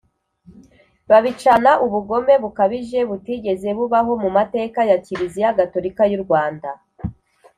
babicana ubugome bukabije butigeze bubaho mu mateka ya kiliziya gatorika y'u rwanda